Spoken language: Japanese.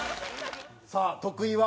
さあ徳井は？